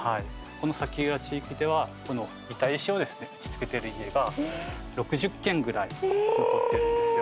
この崎浦地域ではこの板石をですね打ちつけている家が６０軒ぐらい残ってるんですよ。